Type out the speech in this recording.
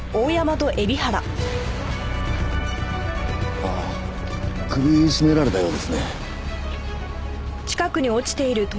ああ首絞められたようですね。